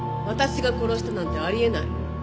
私が殺したなんてあり得ない！